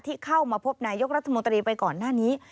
ที่เข้ามาพบนายกรัฐมนตรีไปก่อนหน้านี้